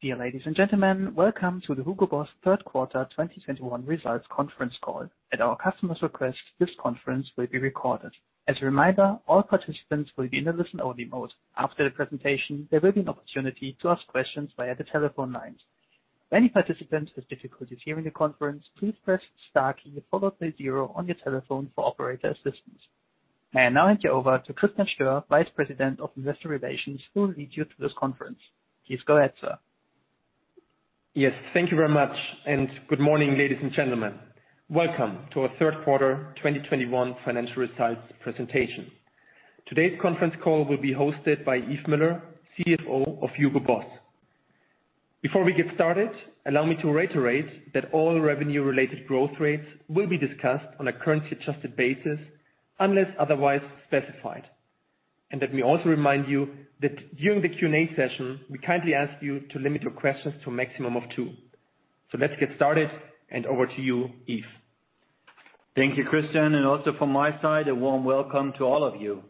Dear ladies and gentlemen, welcome to the Hugo Boss third quarter 2021 results conference call. At our customer's request, this conference will be recorded. As a reminder, all participants will be in a listen-only mode. After the presentation, there will be an opportunity to ask questions via the telephone lines. Any participants with difficulties hearing the conference, please press star key followed by zero on your telephone for operator assistance. I now hand you over to Christian Stöhr, Vice President of Investor Relations, who will lead you through this conference. Please go ahead, sir. Yes, thank you very much. Good morning, ladies and gentlemen. Welcome to our third quarter 2021 financial results presentation. Today's conference call will be hosted by Yves Müller, CFO of Hugo Boss. Before we get started, allow me to reiterate that all revenue related growth rates will be discussed on a currency adjusted basis unless otherwise specified. Let me also remind you that during the Q and A session, we kindly ask you to limit your questions to a maximum of two. Let's get started, and over to you, Yves. Thank you, Christian, and also from my side, a warm welcome to all of you.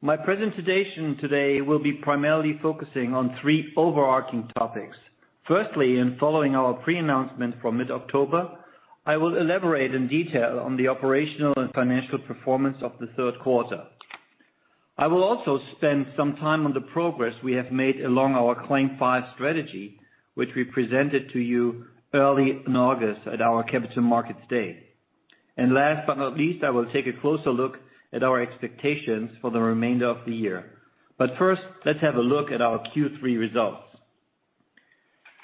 My presentation today will be primarily focusing on three overarching topics. Firstly, in following our pre-announcement from mid-October, I will elaborate in detail on the operational and financial performance of the third quarter. I will also spend some time on the progress we have made along our CLAIM 5 strategy, which we presented to you early in August at our Capital Markets Day. Last but not least, I will take a closer look at our expectations for the remainder of the year. First, let's have a look at our Q3 results.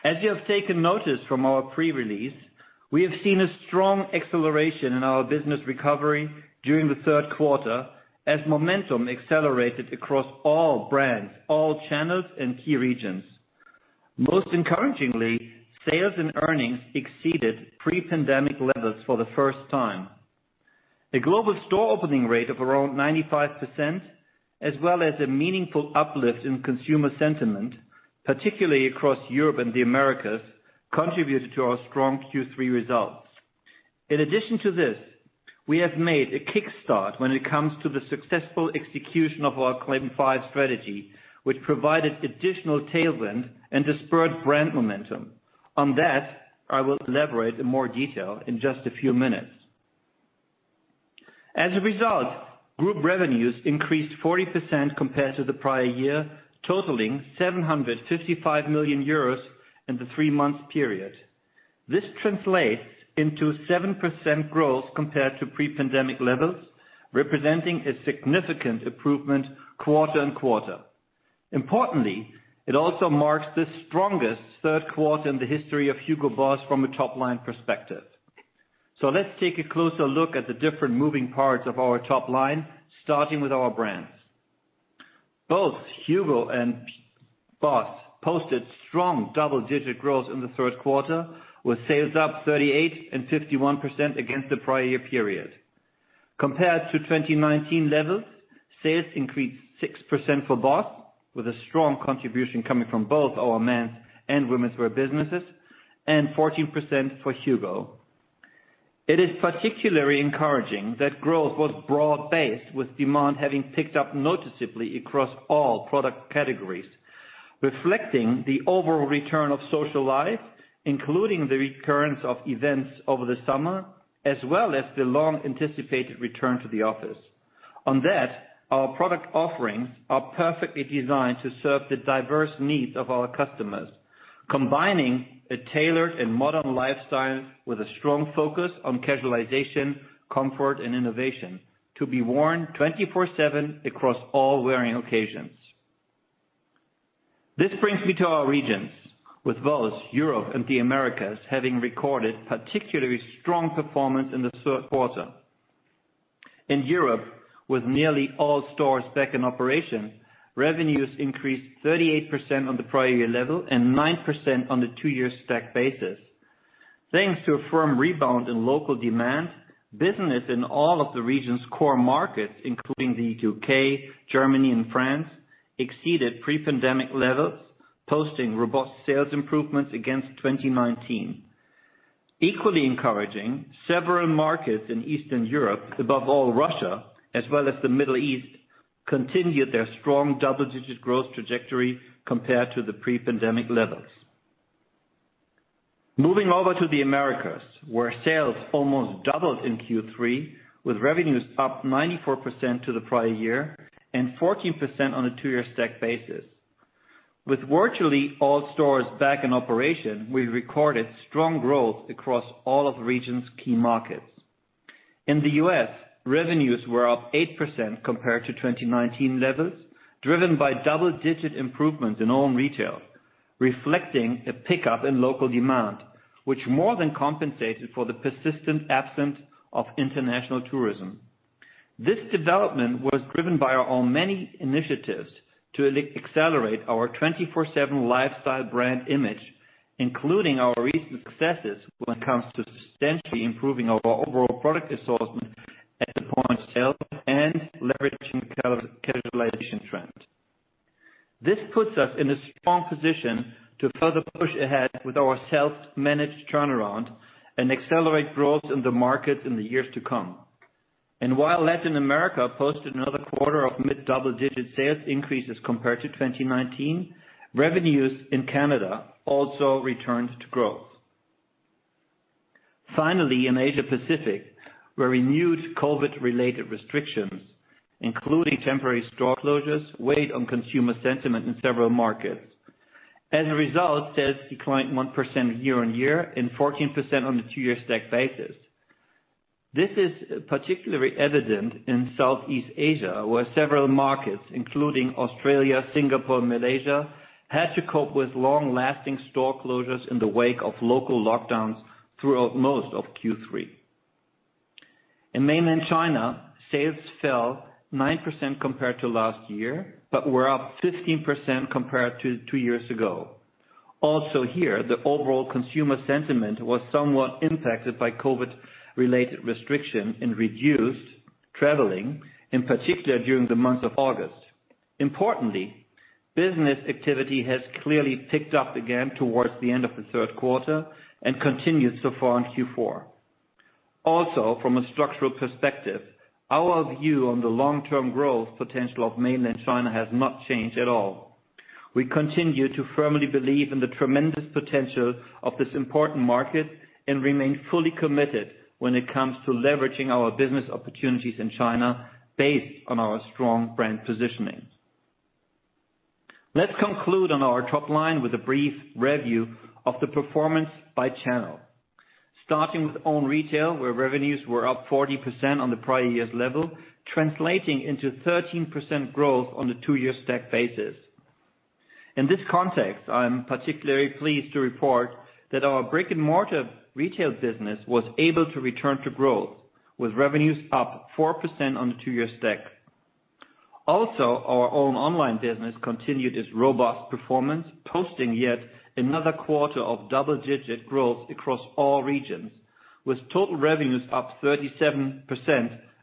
As you have taken notice from our pre-release, we have seen a strong acceleration in our business recovery during the third quarter as momentum accelerated across all brands, all channels and key regions. Most encouragingly, sales and earnings exceeded pre-pandemic levels for the first time. A global store opening rate of around 95%, as well as a meaningful uplift in consumer sentiment, particularly across Europe and the Americas, contributed to our strong Q3 results. In addition to this, we have made a kickstart when it comes to the successful execution of our CLAIM 5 strategy, which provided additional tailwind and distinct brand momentum. On that, I will elaborate in more detail in just a few minutes. As a result, group revenues increased 40% compared to the prior year, totaling 755 million euros in the three-month period. This translates into 7% growth compared to pre-pandemic levels, representing a significant improvement quarter-over-quarter. Importantly, it also marks the strongest third quarter in the history of Hugo Boss from a top line perspective. Let's take a closer look at the different moving parts of our top line, starting with our brands. Both HUGO and BOSS posted strong double-digit growth in the third quarter, with sales up 38% and 51% against the prior year period. Compared to 2019 levels, sales increased 6% for BOSS, with a strong contribution coming from both our men's and women's wear businesses, and 14% for HUGO. It is particularly encouraging that growth was broad-based, with demand having picked up noticeably across all product categories, reflecting the overall return of social life, including the recurrence of events over the summer, as well as the long-anticipated return to the office. On that, our product offerings are perfectly designed to serve the diverse needs of our customers, combining a tailored and modern lifestyle with a strong focus on casualization, comfort, and innovation to be worn 24/7 across all wearing occasions. This brings me to our regions, with both Europe and the Americas having recorded particularly strong performance in the third quarter. In Europe, with nearly all stores back in operation, revenues increased 38% on the prior year level and 9% on the two-year stack basis. Thanks to a firm rebound in local demand, business in all of the region's core markets, including the U.K., Germany, and France, exceeded pre-pandemic levels, posting robust sales improvements against 2019. Equally encouraging, several markets in Eastern Europe, above all Russia, as well as the Middle East, continued their strong double-digit growth trajectory compared to the pre-pandemic levels. Moving over to the Americas, where sales almost doubled in Q3, with revenues up 94% to the prior year and 14% on a two-year stack basis. With virtually all stores back in operation, we recorded strong growth across all of the region's key markets. In the U.S., revenues were up 8% compared to 2019 levels, driven by double-digit improvements in own retail, reflecting a pickup in local demand, which more than compensated for the persistent absence of international tourism. This development was driven by our own many initiatives to accelerate our 24/7 lifestyle brand image, including our recent successes when it comes to substantially improving our overall product assortment at the point of sale and leveraging casualization trends. This puts us in a strong position to further push ahead with our self-managed turnaround and accelerate growth in the market in the years to come. While Latin America posted another quarter of mid-double-digit sales increases compared to 2019, revenues in Canada also returned to growth. Finally, in Asia Pacific, where renewed COVID-related restrictions, including temporary store closures, weighed on consumer sentiment in several markets, as a result, sales declined 1% year-on-year and 14% on the two-year stack basis. This is particularly evident in Southeast Asia, where several markets, including Australia, Singapore, and Malaysia, had to cope with long-lasting store closures in the wake of local lockdowns throughout most of Q3. In Mainland China, sales fell 9% compared to last year, but were up 15% compared to two years ago. Here, the overall consumer sentiment was somewhat impacted by COVID-related restrictions and reduced traveling, in particular during the month of August. Importantly, business activity has clearly picked up again towards the end of the third quarter and continued so far in Q4. From a structural perspective, our view on the long-term growth potential of Mainland China has not changed at all. We continue to firmly believe in the tremendous potential of this important market and remain fully committed when it comes to leveraging our business opportunities in China based on our strong brand positioning. Let's conclude on our top line with a brief review of the performance by channel. Starting with own retail, where revenues were up 40% on the prior year's level, translating into 13% growth on the two-year stack basis. In this context, I am particularly pleased to report that our brick-and-mortar retail business was able to return to growth, with revenues up 4% on the two-year stack. Also, our own online business continued its robust performance, posting yet another quarter of double-digit growth across all regions, with total revenues up 37%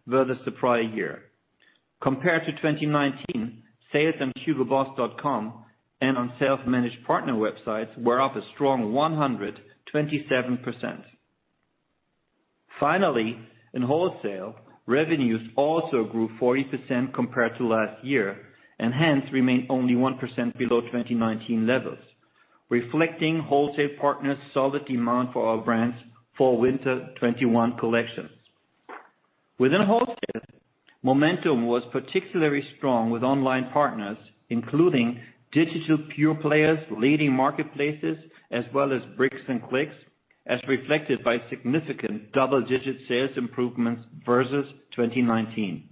versus the prior year. Compared to 2019, sales on Hugoboss.com and on self-managed partner websites were up a strong 127%. Finally, in wholesale, revenues also grew 40% compared to last year, and hence remained only 1% below 2019 levels, reflecting wholesale partners' solid demand for our brands Fall/Winter 2021 collections. Within wholesale, momentum was particularly strong with online partners, including digital pure players, leading marketplaces, as well as bricks and clicks, as reflected by significant double-digit sales improvements versus 2019.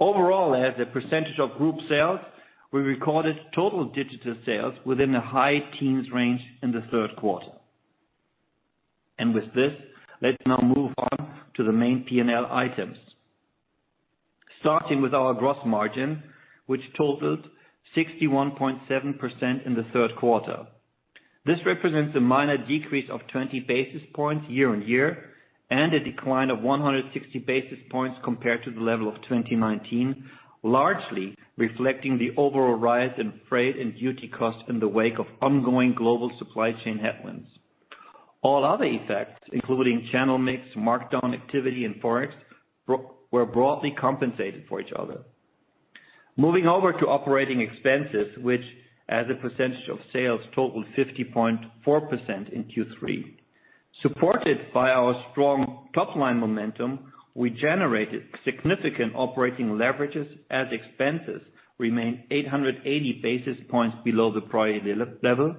Overall, as a percentage of group sales, we recorded total digital sales within the high teens range in the third quarter. With this, let's now move on to the main P&L items. Starting with our gross margin, which totaled 61.7% in the third quarter. This represents a minor decrease of 20 basis points year on year and a decline of 160 basis points compared to the level of 2019, largely reflecting the overall rise in freight and duty costs in the wake of ongoing global supply chain headwinds. All other effects, including channel mix, markdown activity, and Forex, were broadly compensated for each other. Moving over to operating expenses, which as a percentage of sales totaled 50.4% in Q3. Supported by our strong top-line momentum, we generated significant operating leverages as expenses remained 880 basis points below the prior year level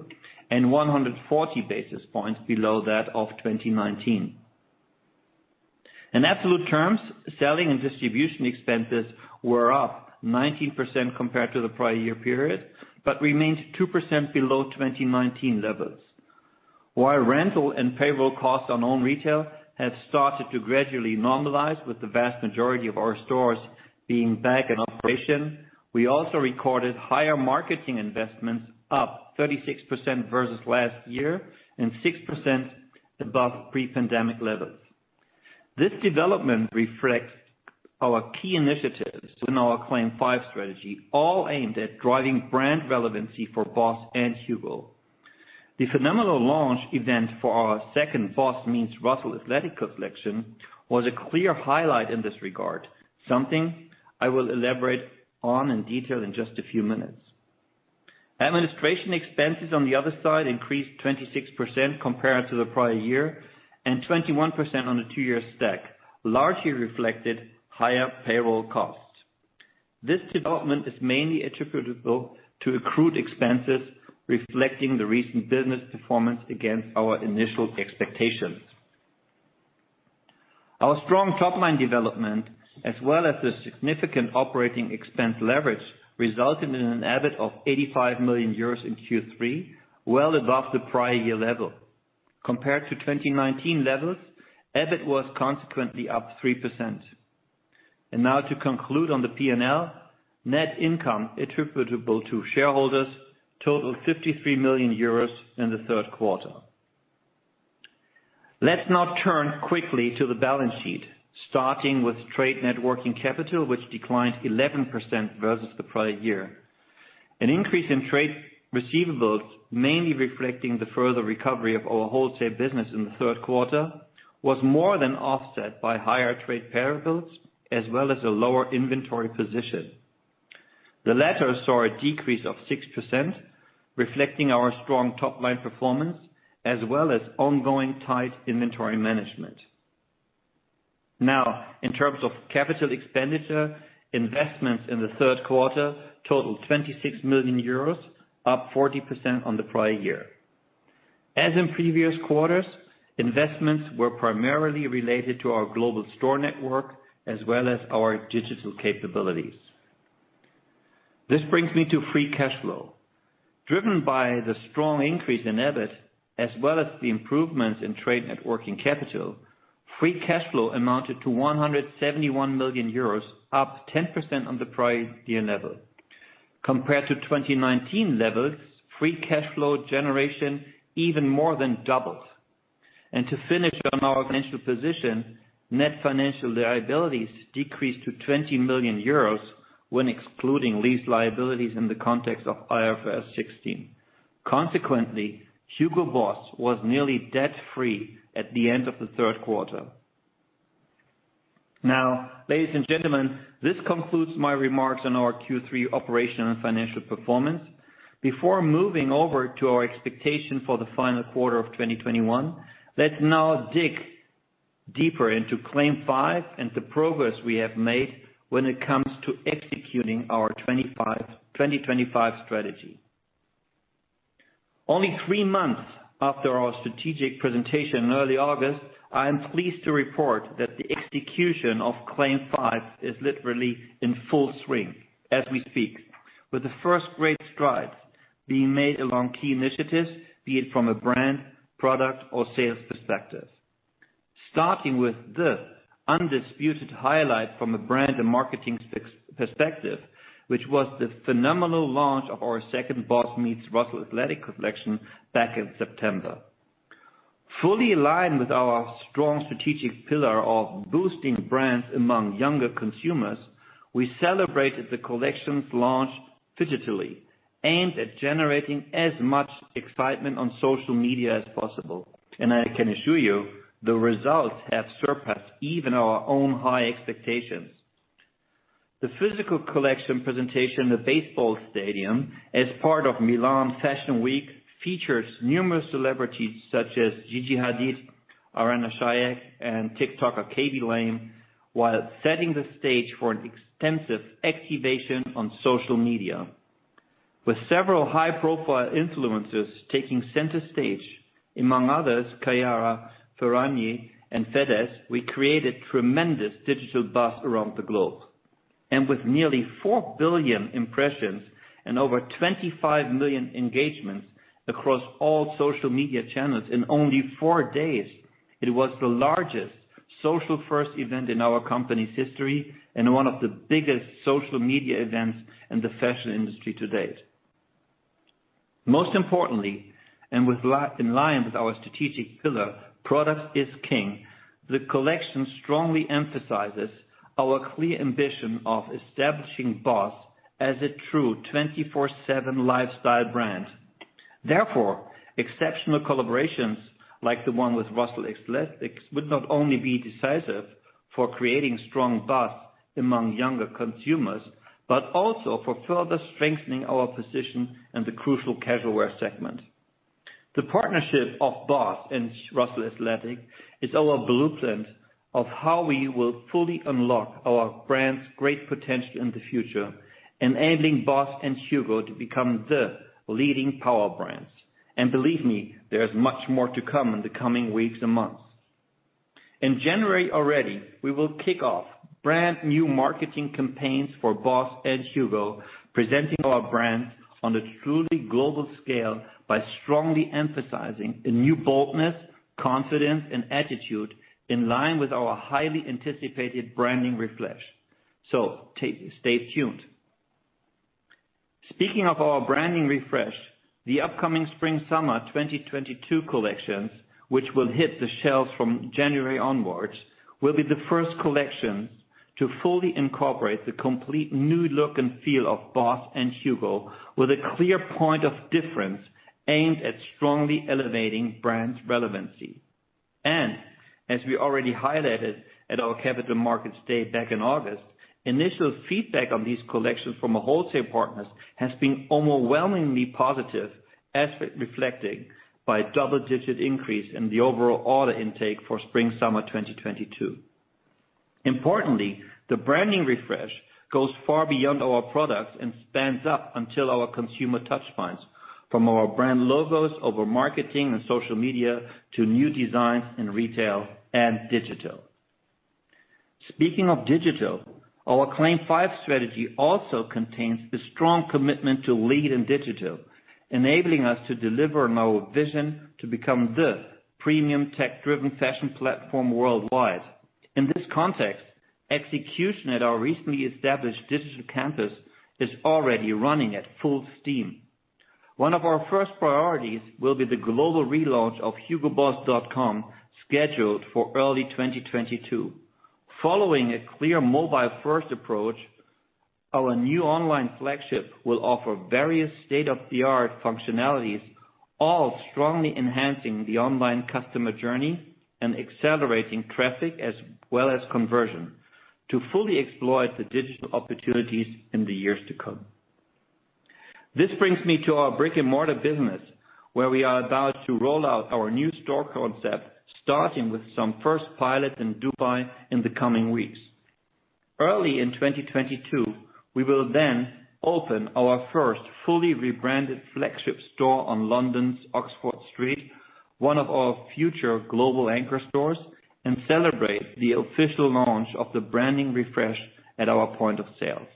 and 140 basis points below that of 2019. In absolute terms, selling and distribution expenses were up 19% compared to the prior year period, but remained 2% below 2019 levels. While rental and payroll costs on own retail have started to gradually normalize with the vast majority of our stores being back in operation, we also recorded higher marketing investments up 36% versus last year and 6% above pre-pandemic levels. This development reflects our key initiatives in our CLAIM 5 strategy, all aimed at driving brand relevancy for BOSS and HUGO. The phenomenal launch event for our second BOSS x Russell Athletic collection was a clear highlight in this regard, something I will elaborate on in detail in just a few minutes. Administration expenses, on the other side, increased 26% compared to the prior year and 21% on a two-year stack, largely reflected higher payroll costs. This development is mainly attributable to accrued expenses reflecting the recent business performance against our initial expectations. Our strong top-line development, as well as the significant operating expense leverage, resulted in an EBIT of 85 million euros in Q3, well above the prior year level. Compared to 2019 levels, EBIT was consequently up 3%. Now to conclude on the P&L, net income attributable to shareholders totaled 53 million euros in the third quarter. Let's now turn quickly to the balance sheet, starting with trade net working capital, which declined 11% versus the prior year. An increase in trade receivables, mainly reflecting the further recovery of our wholesale business in the third quarter, was more than offset by higher trade payables as well as a lower inventory position. The latter saw a decrease of 6%, reflecting our strong top-line performance as well as ongoing tight inventory management. Now, in terms of capital expenditure, investments in the third quarter totaled 26 million euros, up 40% on the prior year. As in previous quarters, investments were primarily related to our global store network as well as our digital capabilities. This brings me to free cash flow. Driven by the strong increase in EBIT as well as the improvements in trade net working capital, free cash flow amounted to 171 million euros, up 10% on the prior year level. Compared to 2019 levels, free cash flow generation even more than doubled. To finish on our financial position, net financial liabilities decreased to 20 million euros when excluding lease liabilities in the context of IFRS 16. Consequently, Hugo Boss was nearly debt-free at the end of the third quarter. Now, ladies and gentlemen, this concludes my remarks on our Q3 operational and financial performance. Before moving over to our expectation for the final quarter of 2021, let's now dig deeper into CLAIM 5 and the progress we have made when it comes to executing our 2025 strategy. Only three months after our strategic presentation in early August, I am pleased to report that the execution of CLAIM 5 is literally in full swing as we speak, with the first great strides being made along key initiatives, be it from a brand, product, or sales perspective. Starting with the undisputed highlight from a brand and marketing perspective, which was the phenomenal launch of our second BOSS x Russell Athletic collection back in September. Fully aligned with our strong strategic pillar of boosting brands among younger consumers, we celebrated the collection's launch digitally, aimed at generating as much excitement on social media as possible. I can assure you the results have surpassed even our own high expectations. The physical collection presentation, the baseball stadium, as part of Milan Fashion Week, features numerous celebrities such as Gigi Hadid, Irina Shayk, and TikToker Khaby Lame, while setting the stage for an extensive activation on social media. With several high-profile influencers taking center stage, among others, Chiara Ferragni and Fedez, we created tremendous digital buzz around the globe. With nearly 4 billion impressions and over 25 million engagements across all social media channels in only four days, it was the largest social-first event in our company's history and one of the biggest social media events in the fashion industry to date. Most importantly, in line with our strategic pillar, product is king. The collection strongly emphasizes our clear ambition of establishing BOSS as a true 24/7 lifestyle brand. Therefore, exceptional collaborations like the one with Russell Athletic would not only be decisive for creating strong BOSS among younger consumers, but also for further strengthening our position in the crucial casual wear segment. The partnership of BOSS and Russell Athletic is our blueprint of how we will fully unlock our brand's great potential in the future, enabling BOSS and HUGO to become the leading power brands. Believe me, there is much more to come in the coming weeks and months. In January already, we will kick off brand-new marketing campaigns for BOSS and HUGO, presenting our brands on a truly global scale by strongly emphasizing a new boldness, confidence, and attitude in line with our highly anticipated branding refresh. Stay tuned. Speaking of our branding refresh, the upcoming Spring/Summer 2022 collections, which will hit the shelves from January onwards, will be the first collections to fully incorporate the complete new look and feel of BOSS and HUGO with a clear point of difference aimed at strongly elevating brands' relevancy. As we already highlighted at our Capital Markets Day back in August, initial feedback on these collections from our wholesale partners has been overwhelmingly positive, as reflected by a double-digit increase in the overall order intake for Spring/Summer 2022. Importantly, the branding refresh goes far beyond our products and spans up until our consumer touch points, from our brand logos over marketing and social media to new designs in retail and digital. Speaking of digital, our CLAIM 5 strategy also contains the strong commitment to lead in digital, enabling us to deliver on our vision to become the premium tech-driven fashion platform worldwide. In this context, execution at our recently established Digital Campus is already running at full steam. One of our first priorities will be the global relaunch of Hugoboss.com, scheduled for early 2022. Following a clear mobile-first approach, our new online flagship will offer various state-of-the-art functionalities, all strongly enhancing the online customer journey and accelerating traffic as well as conversion to fully exploit the digital opportunities in the years to come. This brings me to our brick-and-mortar business, where we are about to roll out our new store concept, starting with some first pilot in Dubai in the coming weeks. Early in 2022, we will open our first fully rebranded flagship store on London's Oxford Street, one of our future global anchor stores, and celebrate the official launch of the branding refresh at our point of sales.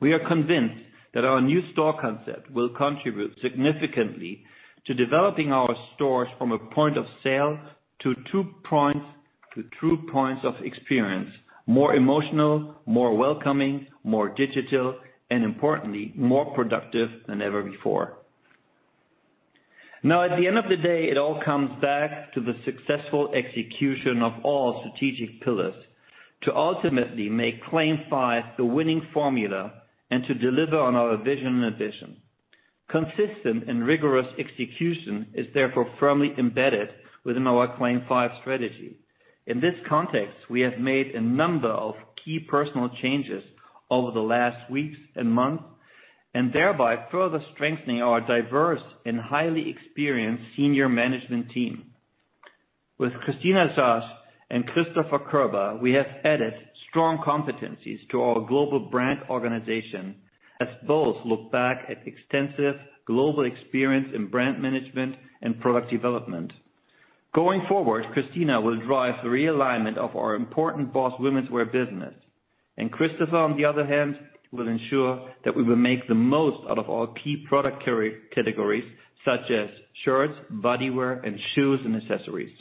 We are convinced that our new store concept will contribute significantly to developing our stores from a point of sale to true points of experience, more emotional, more welcoming, more digital, and importantly, more productive than ever before. Now at the end of the day, it all comes back to the successful execution of all strategic pillars to ultimately make CLAIM 5 the winning formula and to deliver on our vision and ambition. Consistent and rigorous execution is therefore firmly embedded within our CLAIM 5 strategy. In this context, we have made a number of key personal changes over the last weeks and months, and thereby further strengthening our diverse and highly experienced senior management team. With Kristina Szasz and Christopher Köber, we have added strong competencies to our global brand organization, as both look back at extensive global experience in brand management and product development. Going forward, Kristina will drive the realignment of our important BOSS Womenswear business. Christopher, on the other hand, will ensure that we will make the most out of our key product carrier categories such as shirts, bodywear, and shoes and accessories.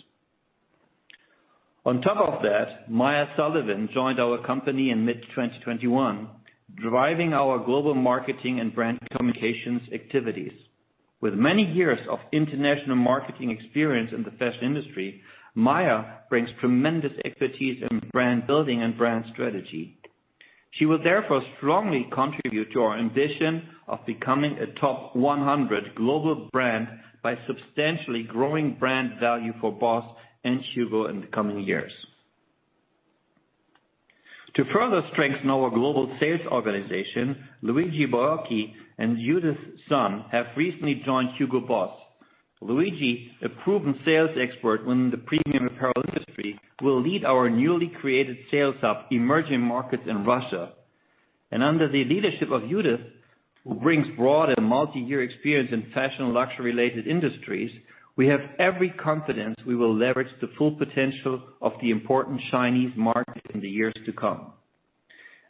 On top of that, Miah Sullivan joined our company in mid-2021, driving our global marketing and brand communications activities. With many years of international marketing experience in the fashion industry, Miah brings tremendous expertise in brand building and brand strategy. She will therefore strongly contribute to our ambition of becoming a top 100 global brand by substantially growing brand value for BOSS and HUGO in the coming years. To further strengthen our global sales organization, Luigi Boiocchi and Judith Sun have recently joined Hugo Boss. Luigi, a proven sales expert within the premium apparel industry, will lead our newly created sales hub, emerging markets in Russia. Under the leadership of Judith, who brings broad and multi-year experience in fashion and luxury related industries, we have every confidence we will leverage the full potential of the important Chinese market in the years to come.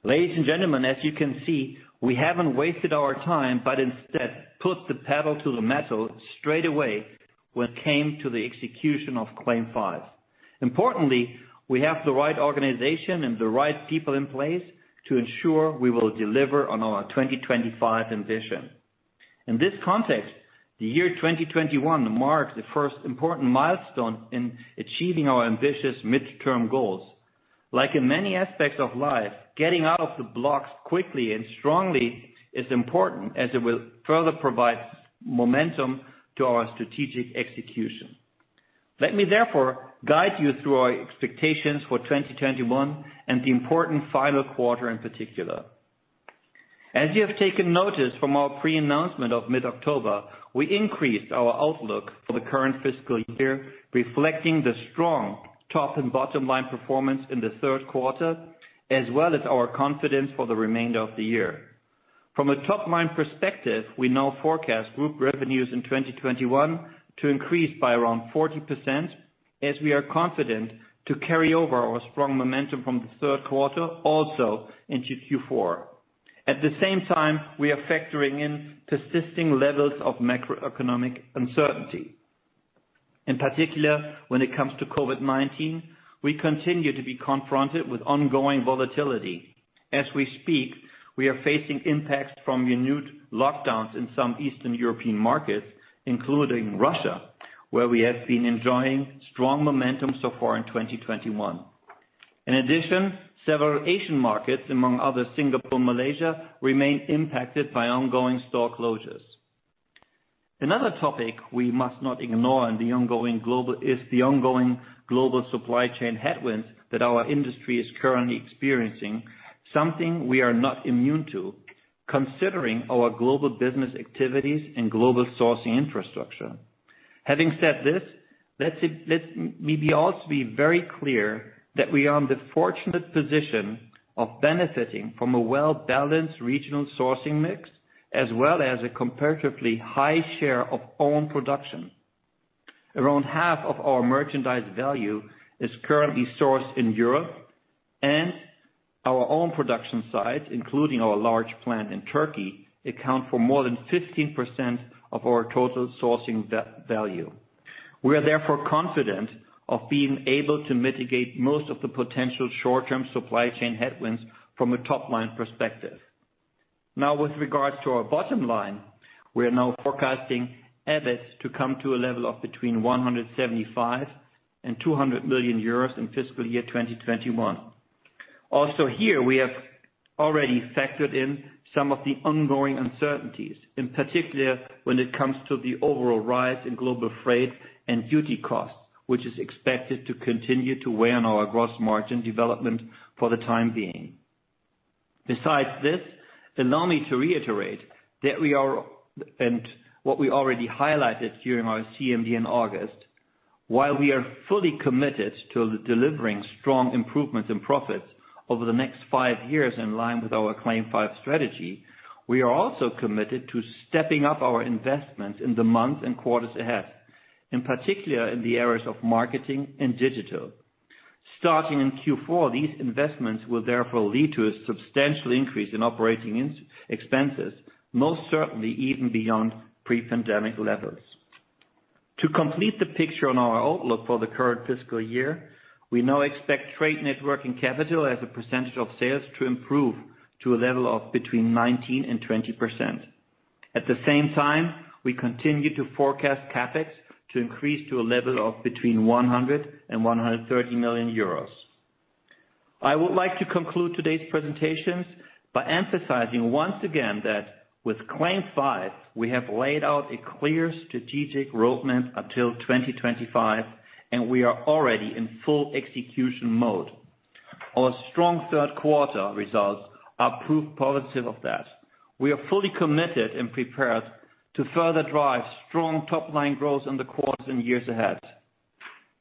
Ladies and gentlemen, as you can see, we haven't wasted our time, but instead put the pedal to the metal straight away when it came to the execution of CLAIM 5. Importantly, we have the right organization and the right people in place to ensure we will deliver on our 2025 ambition. In this context, the year 2021 marks the first important milestone in achieving our ambitious midterm goals. Like in many aspects of life, getting out of the blocks quickly and strongly is important as it will further provide momentum to our strategic execution. Let me therefore guide you through our expectations for 2021 and the important final quarter in particular. As you have taken notice from our pre-announcement of mid-October, we increased our outlook for the current fiscal year, reflecting the strong top and bottom line performance in the third quarter, as well as our confidence for the remainder of the year. From a top-line perspective, we now forecast group revenues in 2021 to increase by around 40%, as we are confident to carry over our strong momentum from the third quarter also into Q4. At the same time, we are factoring in persisting levels of macroeconomic uncertainty. In particular, when it comes to COVID-19, we continue to be confronted with ongoing volatility. As we speak, we are facing impacts from minute lockdowns in some Eastern European markets, including Russia, where we have been enjoying strong momentum so far in 2021. In addition, several Asian markets, among others, Singapore, Malaysia, remain impacted by ongoing store closures. Another topic we must not ignore is the ongoing global supply chain headwinds that our industry is currently experiencing, something we are not immune to, considering our global business activities and global sourcing infrastructure. Having said this, let's maybe also be very clear that we are in the fortunate position of benefiting from a well-balanced regional sourcing mix, as well as a comparatively high share of own production. Around half of our merchandise value is currently sourced in Europe, and our own production sites, including our large plant in Turkey, account for more than 15% of our total sourcing value. We are therefore confident of being able to mitigate most of the potential short-term supply chain headwinds from a top-line perspective. Now, with regards to our bottom line, we are now forecasting EBIT to come to a level of between 175 million and 200 million euros in fiscal year 2021. Also here, we have already factored in some of the ongoing uncertainties, in particular, when it comes to the overall rise in global freight and duty costs, which is expected to continue to weigh on our gross margin development for the time being. Besides this, allow me to reiterate that, and what we already highlighted during our CMD in August. While we are fully committed to delivering strong improvements in profits over the next five years in line with our CLAIM 5 strategy, we are also committed to stepping up our investments in the months and quarters ahead, in particular, in the areas of marketing and digital. Starting in Q4, these investments will therefore lead to a substantial increase in operating expenses, most certainly even beyond pre-pandemic levels. To complete the picture on our outlook for the current fiscal year, we now expect trade networking capital as a percentage of sales to improve to a level of between 19%-20%. At the same time, we continue to forecast CapEx to increase to a level of between 100 million-130 million euros. I would like to conclude today's presentations by emphasizing once again that with CLAIM 5, we have laid out a clear strategic roadmap until 2025, and we are already in full execution mode. Our strong third quarter results are proof positive of that. We are fully committed and prepared to further drive strong top-line growth in the quarters and years ahead,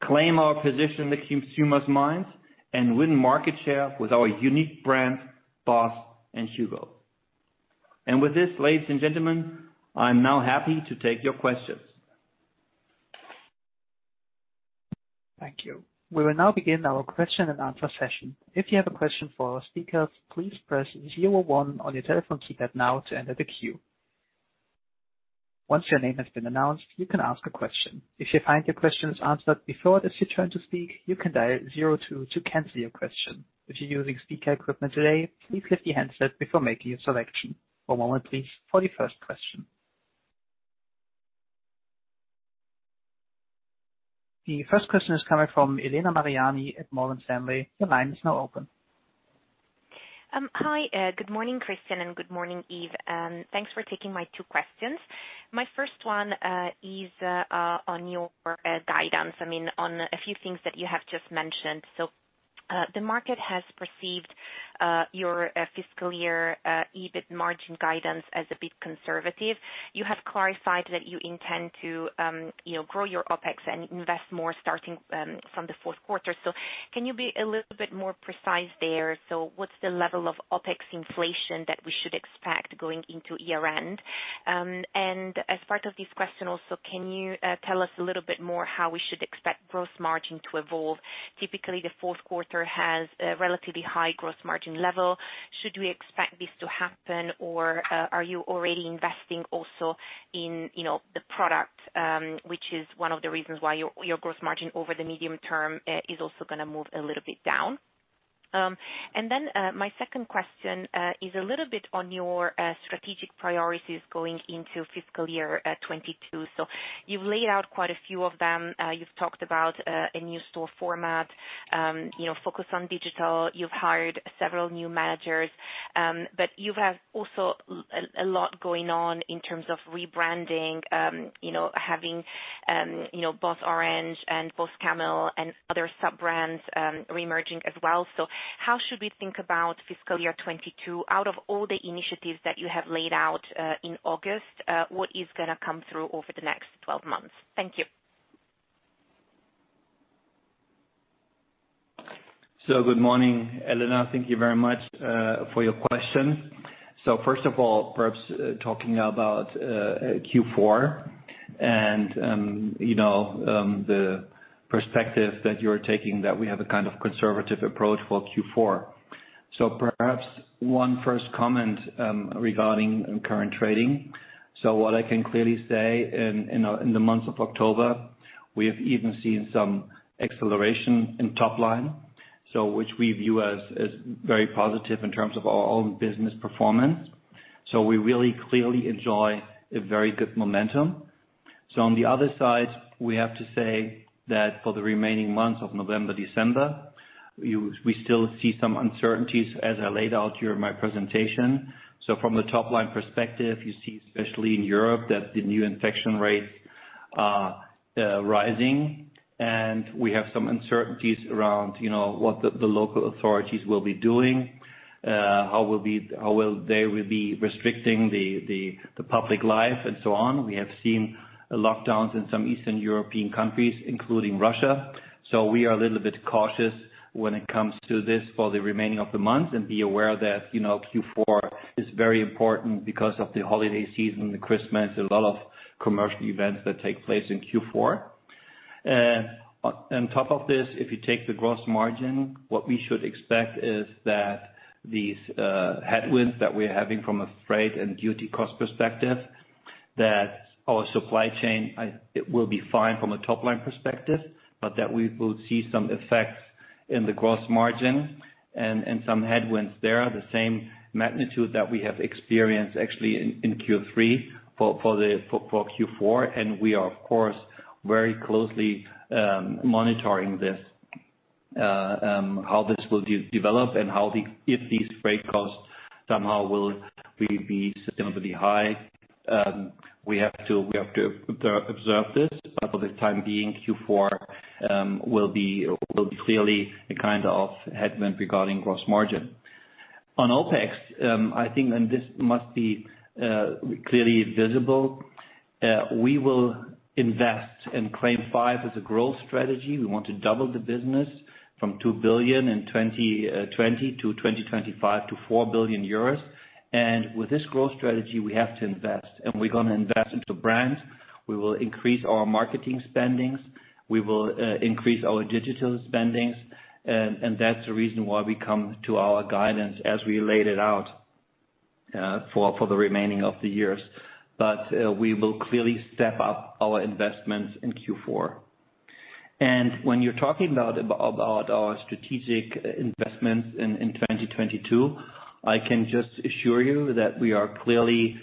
claim our position in the consumer's minds, and win market share with our unique brands, BOSS and HUGO. With this, ladies and gentlemen, I'm now happy to take your questions. Thank you. We will now begin our question-and-answer session. If you have a question for our speakers, please press zero one on your telephone keypad now to enter the queue. Once your name has been announced, you can ask a question. If you find your question is answered before it is your turn to speak, you can dial zero two to cancel your question. If you're using speaker equipment today, please lift your handset before making a selection. One moment, please, for the first question. The first question is coming from Elena Mariani at Morgan Stanley. The line is now open. Hi. Good morning, Christian, and good morning, Yves. Thanks for taking my two questions. My first one is on your guidance, I mean, on a few things that you have just mentioned. The market has perceived your fiscal year EBIT margin guidance as a bit conservative. You have clarified that you intend to, you know, grow your OpEx and invest more starting from the fourth quarter. Can you be a little bit more precise there? What's the level of OpEx inflation that we should expect going into year-end? As part of this question also, can you tell us a little bit more how we should expect gross margin to evolve? Typically, the fourth quarter has a relatively high gross margin level. Should we expect this to happen, or are you already investing also in, you know, the product, which is one of the reasons why your gross margin over the medium term is also gonna move a little bit down? My second question is a little bit on your strategic priorities going into fiscal year 2022. You've laid out quite a few of them. You've talked about a new store format, you know, focus on digital. You've hired several new managers. But you've had also a lot going on in terms of rebranding, you know, having BOSS Orange and BOSS Camel and other sub-brands reemerging as well. How should we think about fiscal year 2022? Out of all the initiatives that you have laid out, in August, what is gonna come through over the next 12 months? Thank you. Good morning, Elena. Thank you very much for your question. First of all, perhaps talking about Q4 and the perspective that you're taking that we have a kind of conservative approach for Q4. Perhaps one first comment regarding current trading. What I can clearly say in the month of October, we have even seen some acceleration in top line, which we view as very positive in terms of our own business performance. We really clearly enjoy a very good momentum. On the other side, we have to say that for the remaining months of November, December, we still see some uncertainties as I laid out during my presentation. From the top-line perspective, you see, especially in Europe, that the new infection rates are rising, and we have some uncertainties around, you know, what the local authorities will be doing, how they will be restricting the public life and so on. We have seen lockdowns in some Eastern European countries, including Russia. We are a little bit cautious when it comes to this for the remaining of the month and be aware that, you know, Q4 is very important because of the holiday season, the Christmas, a lot of commercial events that take place in Q4. On top of this, if you take the gross margin, what we should expect is that these headwinds that we're having from a freight and duty cost perspective that our supply chain, it will be fine from a top-line perspective, but that we will see some effects in the gross margin and some headwinds there, the same magnitude that we have experienced actually in Q3 for Q4. We are, of course, very closely monitoring this. How this will develop and if these freight costs somehow will really be significantly high. We have to observe this, but for the time being, Q4 will be clearly a kind of headwind regarding gross margin. On OpEx, I think, and this must be clearly visible, we will invest in CLAIM 5 as a growth strategy. We want to double the business from 2 billion in 2020 to 2025 to 4 billion euros. With this growth strategy, we have to invest, and we're gonna invest into brands. We will increase our marketing spending, we will increase our digital spending. That's the reason why we come to our guidance as we laid it out for the remainder of the year. We will clearly step up our investments in Q4. When you're talking about our strategic investments in 2022, I can just assure you that we are clearly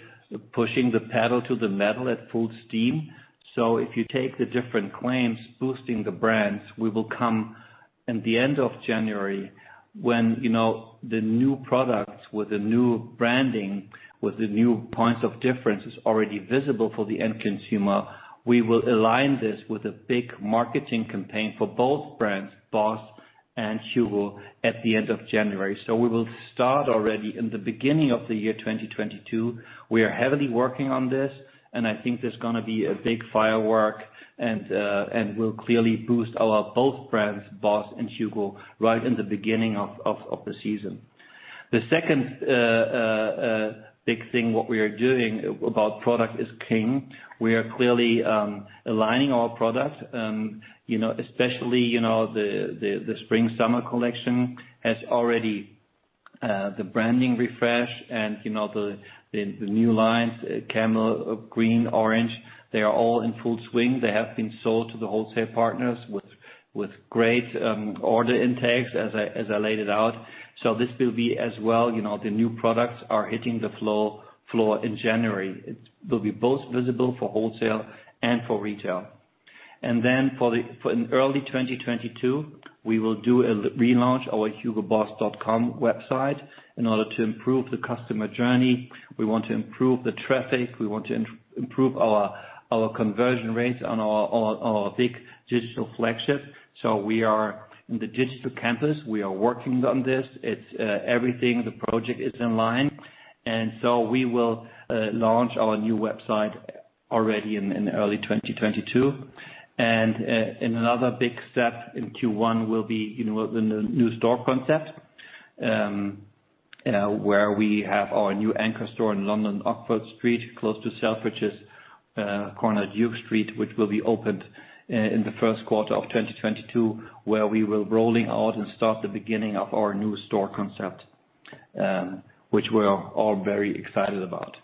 pushing the pedal to the metal at full steam. If you take the different claims, boosting the brands, we will come in the end of January when, you know, the new products with the new branding, with the new points of difference is already visible for the end consumer. We will align this with a big marketing campaign for both brands, BOSS and HUGO, at the end of January. We will start already in the beginning of the year 2022. We are heavily working on this, and I think there's gonna be a big firework and will clearly boost our both brands, BOSS and HUGO, right in the beginning of the season. The second big thing, what we are doing about product is king. We are clearly aligning our product. You know, especially, the Spring/Summer collection has already the branding refresh and, you know, the new lines, Camel, Green, Orange. They are all in full swing. They have been sold to the wholesale partners with great order intakes, as I laid it out. This will be as well, you know, the new products are hitting the floor in January. It will be both visible for wholesale and for retail. Then for in early 2022, we will do a relaunch our Hugoboss.com website in order to improve the customer journey. We want to improve the traffic. We want to improve our conversion rates on our big digital flagship. We are in the Digital Campus. We are working on this. It's everything, the project is in line, and so we will launch our new website already in early 2022. Another big step in Q1 will be, you know, the new store concept, where we have our new anchor store in London, Oxford Street, close to Selfridges, corner of Duke Street, which will be opened in the first quarter of 2022, where we will rolling out and start the beginning of our new store concept, which we're all very excited about.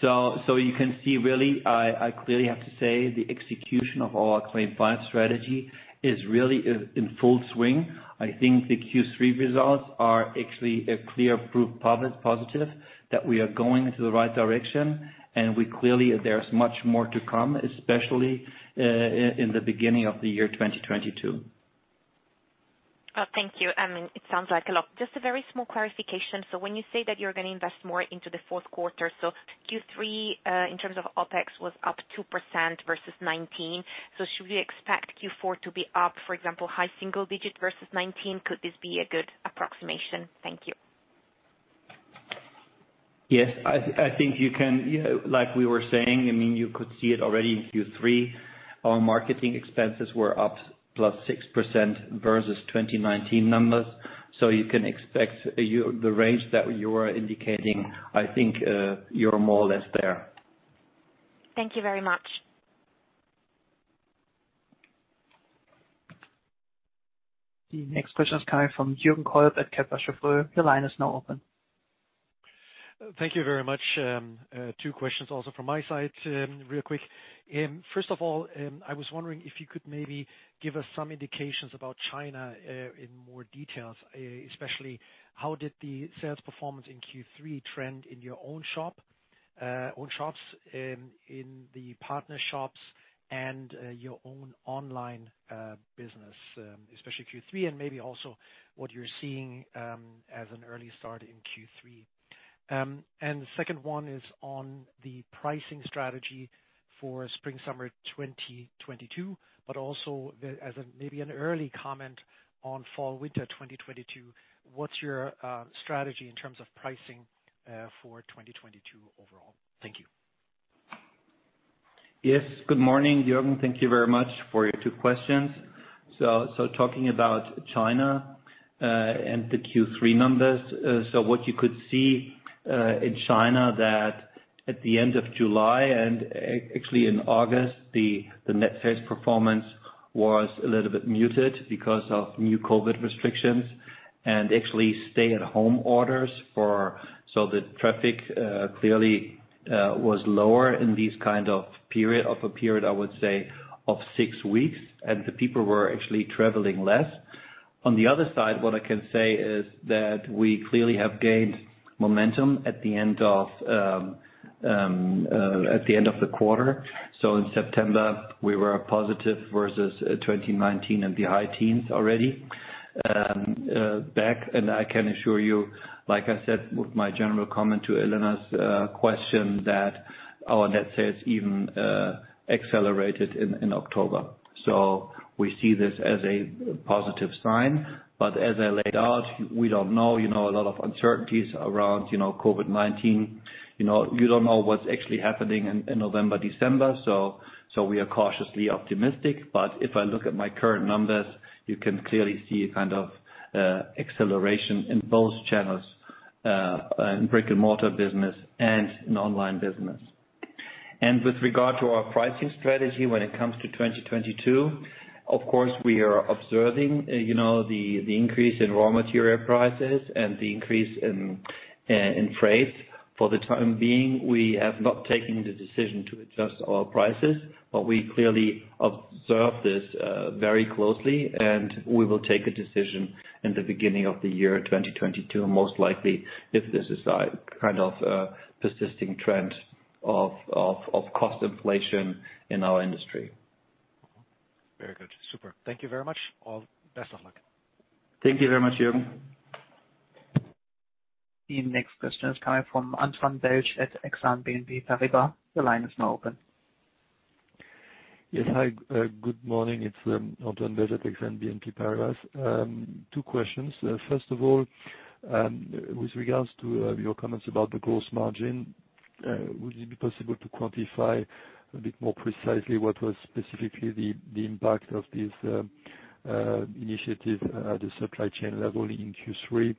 You can see really, I clearly have to say the execution of our CLAIM 5 strategy is really in full swing. I think the Q3 results are actually a clear proof positive that we are going into the right direction and we clearly, there's much more to come, especially, in the beginning of the year 2022. Oh, thank you. I mean, it sounds like a lot. Just a very small clarification. When you say that you're gonna invest more into the fourth quarter. Q3, in terms of OpEx was up 2% versus 2019. Should we expect Q4 to be up, for example, high single digit versus 2019? Could this be a good approximation? Thank you. Yes. I think you can, you know, like we were saying, I mean, you could see it already in Q3. Our marketing expenses were up 6% versus 2019 numbers. You can expect the range that you are indicating, I think, you're more or less there. Thank you very much. The next question is coming from Jürgen Kolb at Kepler Cheuvreux. Your line is now open. Thank you very much. Two questions also from my side, real quick. First of all, I was wondering if you could maybe give us some indications about China, in more details, especially how did the sales performance in Q3 trend in your own shops, in the partner shops and, your own online business, especially Q3 and maybe also what you're seeing, as an early start in Q3. The second one is on the pricing strategy for Spring/Summer 2022, but also the, as a, maybe an early comment on Fall/Winter 2022. What's your strategy in terms of pricing, for 2022 overall? Thank you. Yes. Good morning, Jürgen. Thank you very much for your two questions. Talking about China and the Q3 numbers. What you could see in China that at the end of July and actually in August, the net sales performance was a little bit muted because of new COVID restrictions and actually stay at home orders. The traffic clearly was lower in this kind of period, I would say, of six weeks, and the people were actually traveling less. On the other side, what I can say is that we clearly have gained momentum at the end of the quarter. In September, we were positive versus 2019 and the high teens already back. I can assure you, like I said, with my general comment to Elena’s question, that our net sales even accelerated in October. We see this as a positive sign. As I laid out, we don't know, you know, a lot of uncertainties around, you know, COVID-19. You know, you don't know what's actually happening in November, December. We are cautiously optimistic. If I look at my current numbers, you can clearly see a kind of acceleration in both channels in brick-and-mortar business and in online business. With regard to our pricing strategy, when it comes to 2022, of course, we are observing, you know, the increase in raw material prices and the increase in freight. For the time being, we have not taken the decision to adjust our prices, but we clearly observe this very closely, and we will take a decision in the beginning of the year 2022, most likely, if this is a kind of persisting trend of cost inflation in our industry. Very good. Super. Thank you very much. Best of luck. Thank you very much, Jürgen. The next question is coming from Antoine Belge at Exane BNP Paribas. The line is now open. Yes. Hi. Good morning. It's Antoine Belge at Exane BNP Paribas. Two questions. First of all, with regards to your comments about the gross margin, would it be possible to quantify a bit more precisely what was specifically the impact of this initiative at the supply chain level in Q3?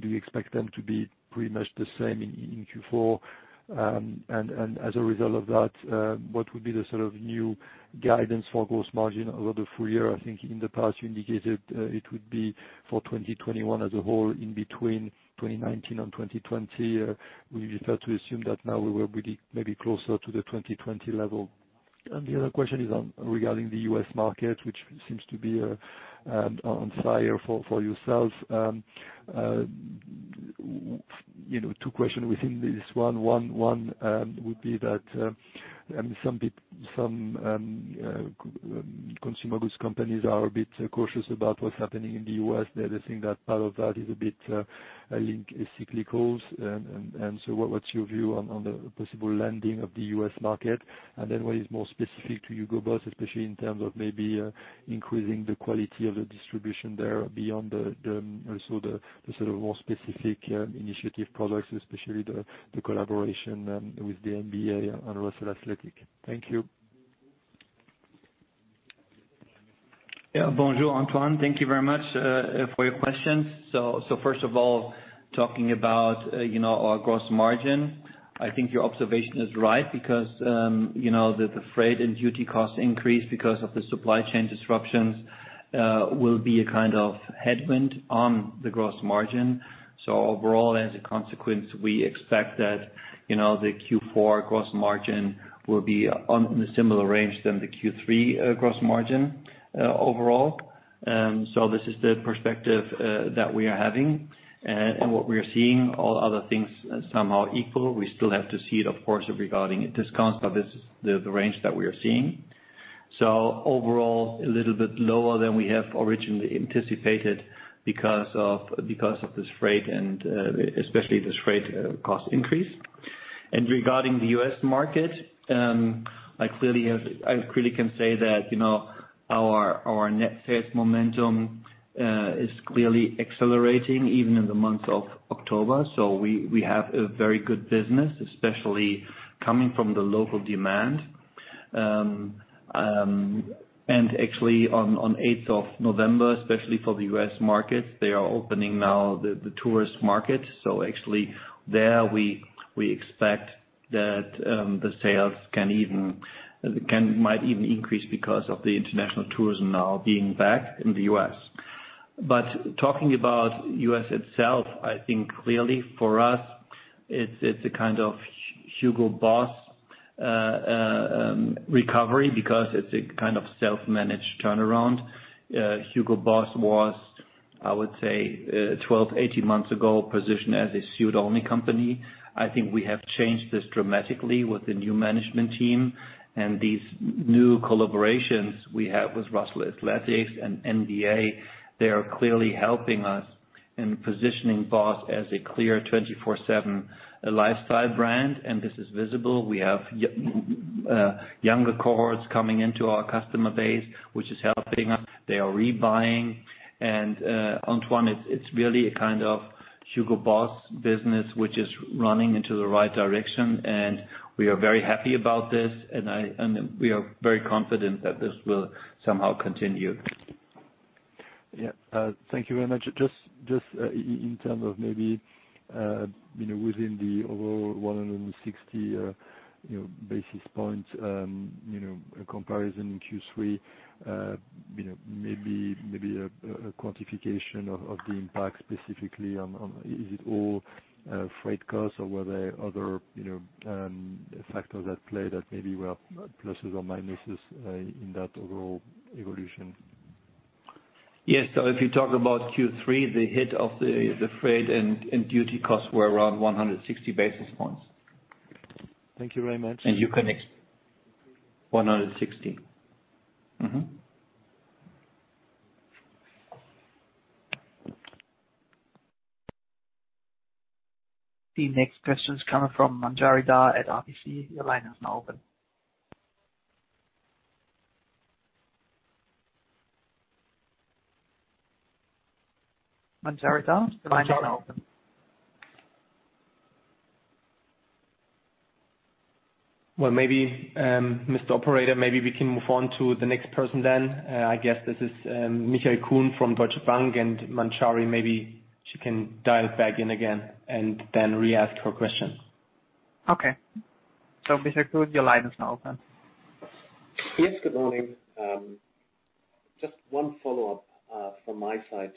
Do you expect them to be pretty much the same in Q4? As a result of that, what would be the sort of new guidance for gross margin over the full year? I think in the past, you indicated it would be for 2021 as a whole in between 2019 and 2020. Would you prefer to assume that now we were pretty, maybe closer to the 2020 level? The other question is regarding the U.S. market, which seems to be on fire for yourself. You know, two questions within this one. One would be that, I mean, some consumer goods companies are a bit cautious about what's happening in the U.S. They're just saying that part of that is a bit linked to cyclicals. What's your view on the possible landing of the U.S. market? Then what is more specific to Hugo Boss, especially in terms of maybe increasing the quality of the distribution there beyond the, also the sort of more specific initiative products, especially the collaboration with the NBA on Russell Athletic. Thank you. Yeah. Bonjour, Antoine. Thank you very much for your questions. First of all, talking about our gross margin, I think your observation is right because the freight and duty cost increase because of the supply chain disruptions will be a kind of headwind on the gross margin. Overall, as a consequence, we expect that the Q4 gross margin will be on the similar range than the Q3 gross margin overall. This is the perspective that we are having. What we are seeing, all other things somehow equal, we still have to see it, of course, regarding discounts, but this is the range that we are seeing. Overall, a little bit lower than we have originally anticipated because of this freight cost increase. Regarding the U.S. market, I clearly can say that our net sales momentum is clearly accelerating even in the months of October. We have a very good business, especially coming from the local demand. Actually on 8th of November, especially for the U.S. market, they are opening now the tourist market. Actually there we expect that the sales might even increase because of the international tourism now being back in the U.S. Talking about U.S. itself, I think clearly for us it's a kind of Hugo Boss recovery because it's a kind of self-managed turnaround. Hugo Boss was, I would say, 12, 18 months ago, positioned as a suit only company. I think we have changed this dramatically with the new management team and these new collaborations we have with Russell Athletic and NBA. They are clearly helping us in positioning BOSS as a clear 24/7 lifestyle brand, and this is visible. We have younger cohorts coming into our customer base, which is helping us. They are rebuying. Antoine, it's really a kind of Hugo Boss business which is running into the right direction, and we are very happy about this. We are very confident that this will somehow continue. Yeah, thank you very much. Just in terms of maybe, you know, within the overall 160 basis points comparison in Q3, you know, maybe a quantification of the impact specifically on, is it all freight costs or were there other, you know, factors at play that maybe were pluses or minuses in that overall evolution? Yes. If you talk about Q3, the hit of the freight and duty costs were around 160 basis points. Thank you very much. You can 160. The next question is coming from Manjari Dhar at RBC. Your line is now open. Manjari Dhar, the line is now open. Well, maybe, Mr. Operator, maybe we can move on to the next person then. I guess this is Michael Kuhn from Deutsche Bank and Manjari, maybe she can dial back in again and then re-ask her question. Okay. Michael Kuhn, your line is now open. Yes, good morning. Just one follow-up from my side.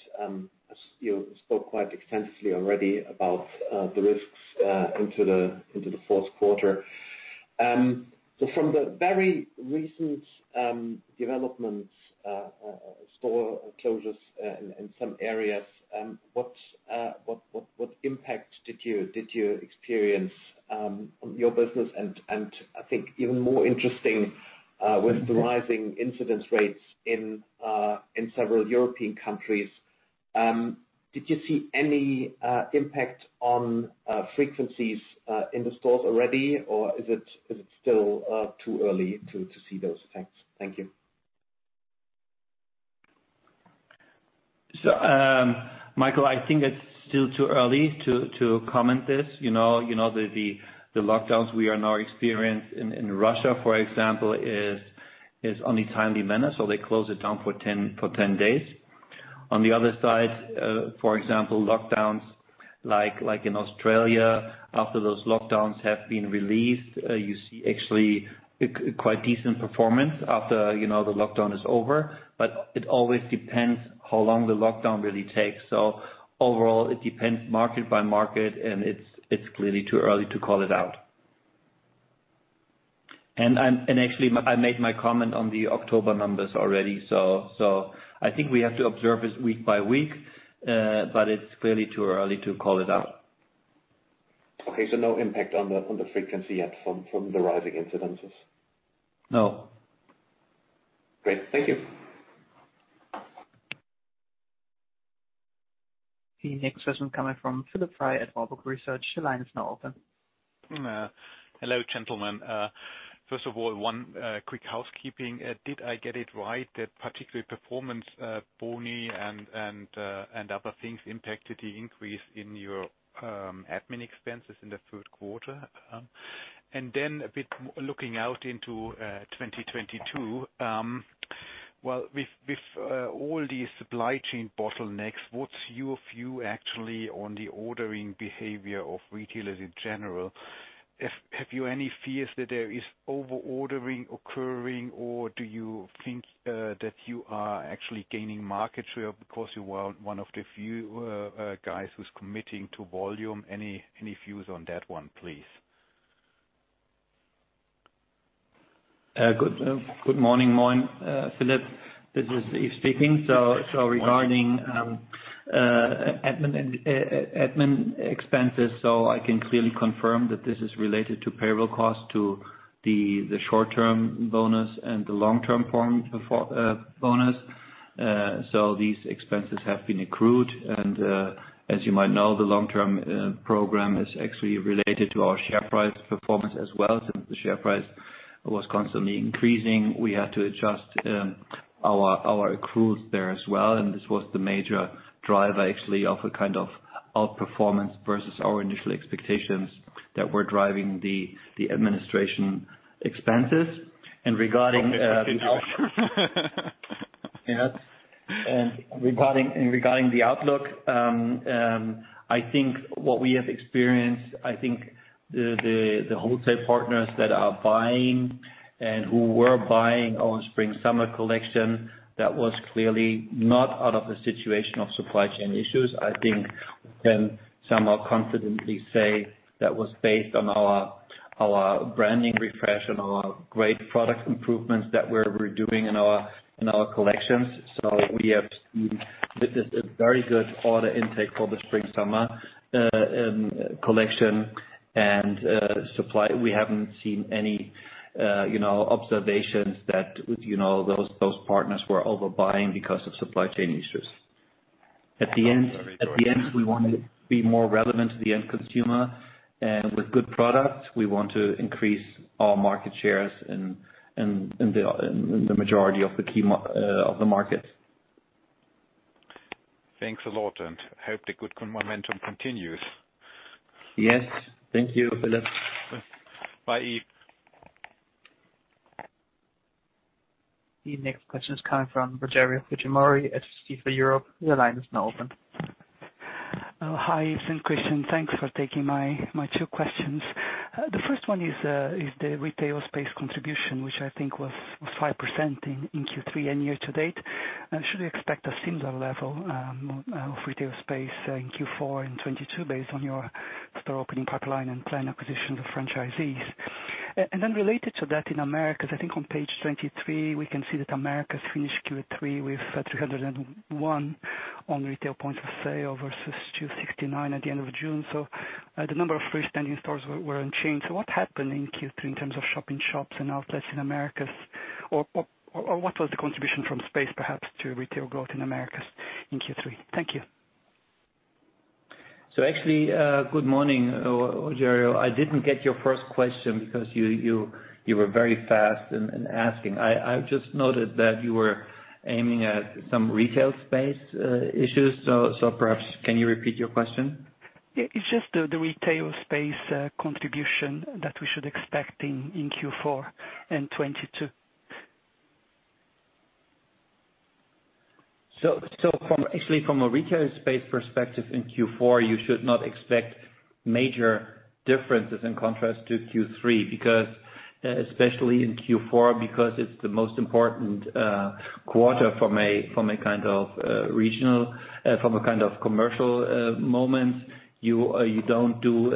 As you spoke quite extensively already about the risks into the fourth quarter. From the very recent developments, store closures in some areas, what impact did you experience on your business? I think even more interesting, with the rising incidence rates in several European countries, did you see any impact on frequencies in the stores already, or is it still too early to see those effects? Thank you. Michael, I think it's still too early to comment on this. You know the lockdowns we are now experiencing in Russia, for example, are in a timely manner, so they close it down for 10 days. On the other side, for example, lockdowns like in Australia, after those lockdowns have been lifted, you see actually a quite decent performance after, you know, the lockdown is over. But it always depends how long the lockdown really takes. Overall it depends market by market, and it's clearly too early to call it out. Actually, I made my comment on the October numbers already, so I think we have to observe it week by week, but it's clearly too early to call it out. Okay. No impact on the frequency yet from the rising incidences? No. Great. Thank you. The next question coming from Philipp Frey at Warburg Research. Your line is now open. Hello, gentlemen. First of all, one quick housekeeping. Did I get it right that particularly performance bonus and other things impacted the increase in your admin expenses in the third quarter? Then a bit looking out into 2022, well, with all these supply chain bottlenecks, what's your view actually on the ordering behavior of retailers in general? Have you any fears that there is over-ordering occurring or do you think that you are actually gaining market share because you are one of the few guys who's committing to volume? Any views on that one, please? Good morning, Philipp. This is Yves speaking. Regarding admin expenses, I can clearly confirm that this is related to payroll costs to the short-term bonus and the long-term bonus. These expenses have been accrued and, as you might know, the long-term program is actually related to our share price performance as well. Since the share price was constantly increasing, we had to adjust our accruals there as well. This was the major driver actually of a kind of outperformance versus our initial expectations that were driving the administration expenses. Regarding yes. Regarding the outlook, I think what we have experienced, I think the wholesale partners that are buying and who were buying our Spring/Summer collection, that was clearly not out of a situation of supply chain issues. I think we can somehow confidently say that was based on our branding refresh and our great product improvements that we're redoing in our collections. We have seen this is a very good order intake for the Spring/Summer collection and supply. We haven't seen any, you know, observations that, you know, those partners were overbuying because of supply chain issues. At the end, we want to be more relevant to the end consumer and with good products, we want to increase our market shares in the majority of the key markets. Thanks a lot, and hope the good momentum continues. Yes. Thank you, Philipp. Bye, Yves. The next question is coming from Rogerio Fujimori at Stifel Europe. Your line is now open. Hi, Yves, Christian. Thanks for taking my two questions. The first one is the retail space contribution, which I think was 5% in Q3 and year to date. Should we expect a similar level of retail space in Q4 and 2022 based on your store opening pipeline and planned acquisition of franchisees? Then related to that, in Americas, I think on page 23, we can see that Americas finished Q3 with 301 retail points of sale versus 269 at the end of June. The number of freestanding stores were unchanged. What happened in Q3 in terms of shop-in-shops and outlets in Americas or what was the contribution from space perhaps to retail growth in Americas in Q3? Thank you. Actually, good morning, Rogerio. I didn't get your first question because you were very fast in asking. I just noted that you were aiming at some retail space issues. Perhaps can you repeat your question? Yeah, it's just the retail space contribution that we should expect in Q4 and 2022. Actually, from a retail space perspective in Q4, you should not expect major differences in contrast to Q3 because especially in Q4 because it's the most important quarter from a kind of regional commercial moment. You don't do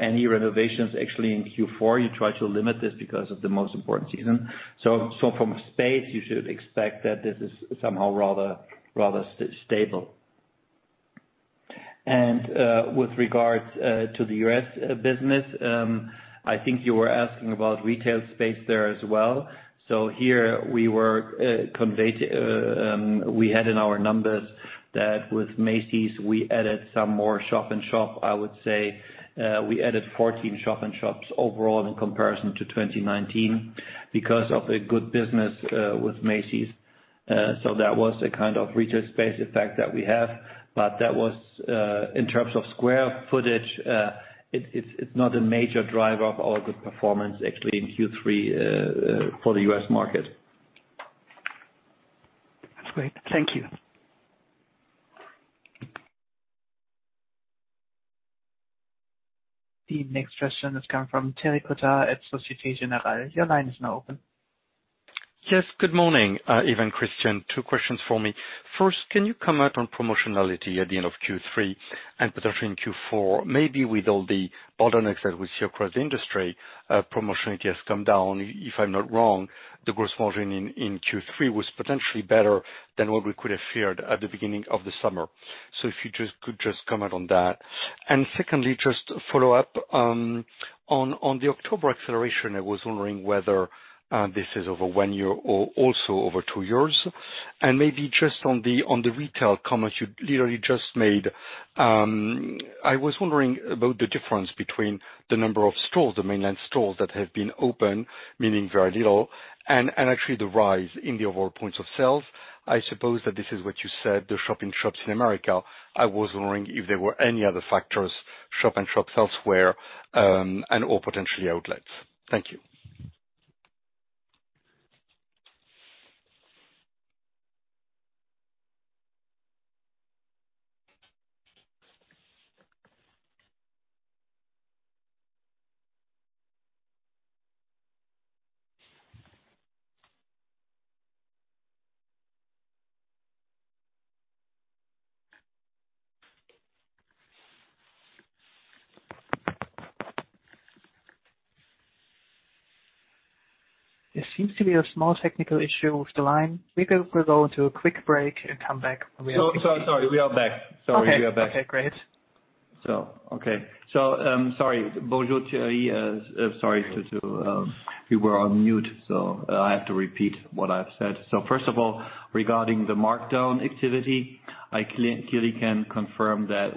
any renovations actually in Q4. You try to limit this because of the most important season. From space, you should expect that this is somehow rather stable. With regards to the U.S. business, I think you were asking about retail space there as well. We had in our numbers that with Macy's, we added some more shop-in-shops. I would say, we added 14 shop-in-shops overall in comparison to 2019 because of a good business with Macy's. That was a kind of retail space effect that we have. That was, in terms of square footage, it's not a major driver of our good performance actually in Q3, for the U.S. market. That's great. Thank you. The next question is coming from Thierry Cota at Société Générale. Your line is now open. Yes. Good morning, Yves, Christian. Two questions for me. First, can you comment on promotionality at the end of Q3 and potentially in Q4? Maybe with all the bottlenecks that we see across the industry, promotionality has come down. If I'm not wrong, the gross margin in Q3 was potentially better than what we could have feared at the beginning of the summer. If you could just comment on that. Secondly, just to follow up on the October acceleration, I was wondering whether this is over one year or also over two years. Maybe just on the retail comment you literally just made, I was wondering about the difference between the number of stores, the mainland stores that have been open, meaning very little, and actually the rise in the overall points of sales. I suppose that this is what you said, the shop in shops in America. I was wondering if there were any other factors, shop in shops elsewhere, and or potentially outlets. Thank you. There seems to be a small technical issue with the line. We could go to a quick break and come back. Sorry. We are back. Sorry. We are back. Okay, great. Okay. Sorry. Bonjour, Thierry. Sorry to, we were on mute, so I have to repeat what I've said. First of all, regarding the markdown activity, I clearly can confirm that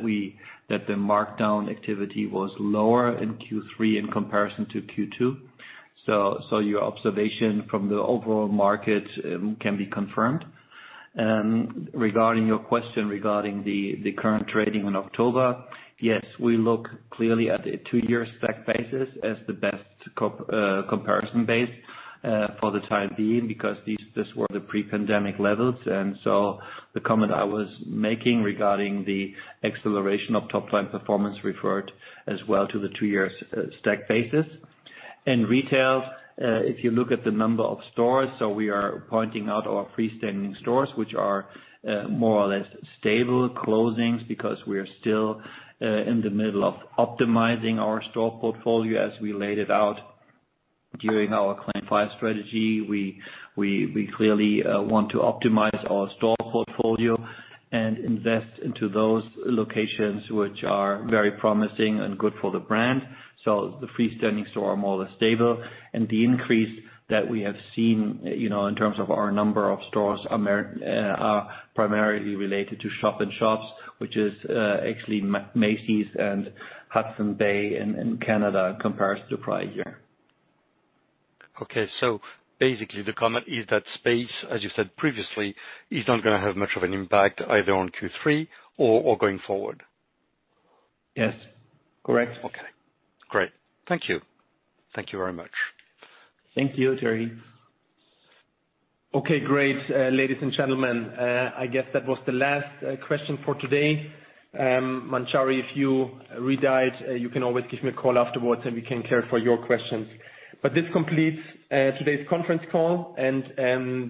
the markdown activity was lower in Q3 in comparison to Q2. Your observation from the overall market can be confirmed. Regarding your question regarding the current trading in October, yes, we look clearly at the two-year stack basis as the best comparison base for the time being because this were the pre-pandemic levels. The comment I was making regarding the acceleration of top-line performance referred as well to the two-year stack basis. In retail, if you look at the number of stores, we are pointing out our freestanding stores, which are more or less stable closings because we are still in the middle of optimizing our store portfolio as we laid it out during our CLAIM 5 strategy. We clearly want to optimize our store portfolio and invest into those locations which are very promising and good for the brand. The freestanding stores are more or less stable. The increase that we have seen, you know, in terms of our number of stores in the Americas are primarily related to shop-in-shops, which is actually Macy's and Hudson's Bay in Canada compared to prior year. Okay. Basically, the comment is that space, as you said previously, is not gonna have much of an impact either on Q3 or going forward. Yes. Correct. Okay. Great. Thank you. Thank you very much. Thank you, Thierry. Okay, great. Ladies and gentlemen, I guess that was the last question for today. Manjari, if you redialed, you can always give me a call afterwards, and we can care for your questions. This completes today's conference call, and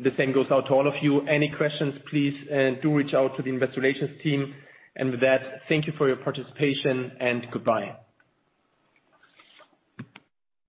the same goes out to all of you. Any questions, please do reach out to the investor relations team. With that, thank you for your participation, and goodbye.